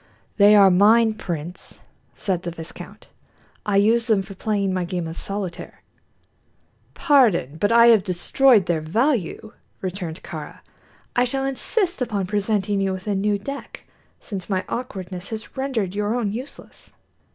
"They are mine, prince," said the viscount; "I use them for playing my game of solitaire." "Pardon, but I have destroyed their value," returned Kāra. "I shall insist upon presenting you with a new deck, since my awkwardness has rendered your own useless."